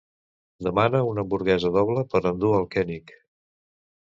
Demana una hamburguesa doble per endur al König.